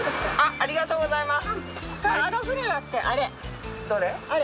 ありがとうございます。